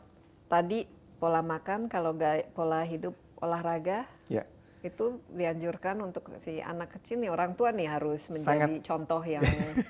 kalau tadi pola makan kalau pola hidup olahraga itu dianjurkan untuk si anak kecil nih orang tua nih harus menjadi contoh yang